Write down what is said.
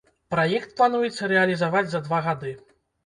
Праект плануецца рэалізаваць за два гады.